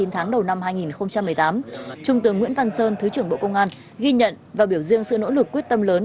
chín tháng đầu năm hai nghìn một mươi tám trung tướng nguyễn văn sơn thứ trưởng bộ công an ghi nhận và biểu dương sự nỗ lực quyết tâm lớn